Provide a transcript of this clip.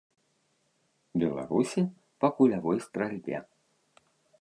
Беларусі па кулявой стральбе.